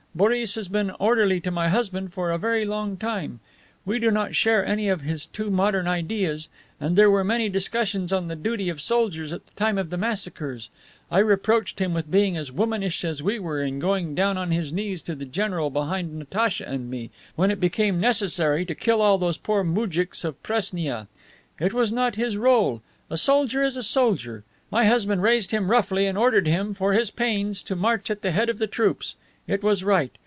Boris has been orderly to my husband for a very long time. We do not share any of his too modern ideas, and there were many discussions on the duty of soldiers at the time of the massacres. I reproached him with being as womanish as we were in going down on his knees to the general behind Natacha and me, when it became necessary to kill all those poor moujiks of Presnia. It was not his role. A soldier is a soldier. My husband raised him roughly and ordered him, for his pains, to march at the head of the troops. It was right.